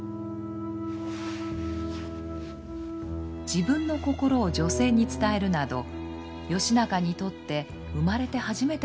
自分の心を女性に伝えるなど義仲にとって生まれて初めてのことでした。